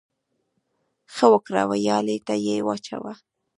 ـ ښه وکړه ، ويالې ته يې واچوه.